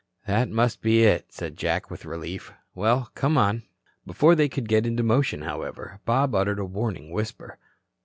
"That must be it," said Jack with relief. "Well, come on." Before they could get into motion, however, Bob uttered a warning whisper.